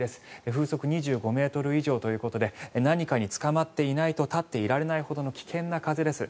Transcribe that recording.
風速２５ｍ以上ということで何かにつかまっていないと立っていられないほどの危険な風です。